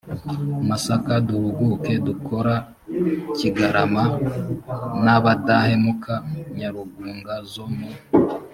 masaka duhuguke dukora kigarama n abadahemuka nyarugunga zo mu